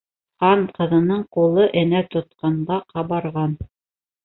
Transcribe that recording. Хан ҡыҙының ҡулы энә тотҡанға ҡабарған.